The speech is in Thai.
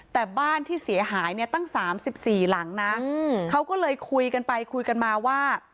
แต่บ้านที่เสียหายเนี่ยตั้ง๓๔หลังนะเขาก็เลยคุยกันไปคุยกันมาว่า